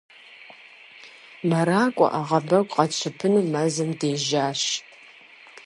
Мэракӏуэ, ӏэгъэбэгу къэтщыпыну мэзым дежьащ.